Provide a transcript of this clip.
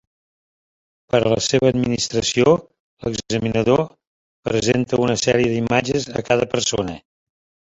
Per a la seva administració, l'examinador presenta una sèrie d'imatges a cada persona.